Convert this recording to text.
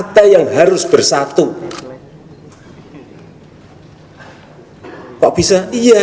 kalau tidak seperti itu bagaimana kita bisa